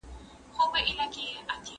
ډیپلوماټان به نوي تړونونه لاسلیک کړي.